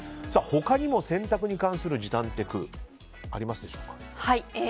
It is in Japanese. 他にも洗濯に関する時短テクありますでしょうか。